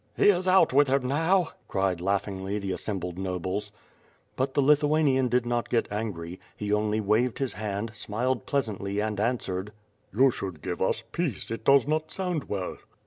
"He is out with him now," cried laughingly the assembled nobles. But the Lithuanian did not get angry. He only waved his hand, smiled pleasantly, and answered: "You should give us peace, it does not sound well."